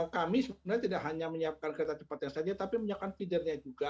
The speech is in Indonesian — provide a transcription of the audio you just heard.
kami sebenarnya tidak hanya menyiapkan kereta cepat yang sedia tapi menyiapkan feedernya juga